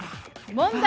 問題。